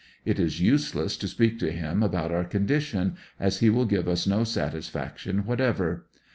It is useless to speak to him about our condition, as he will give us no satisfaction what ever.